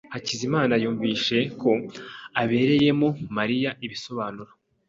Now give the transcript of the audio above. Hakizimana yumvise ko abereyemo Mariya ibisobanuro.